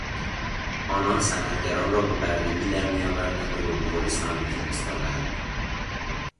آنان صنعتگران را به بردگی درمی آوردند و به مغولستان میفرستادند.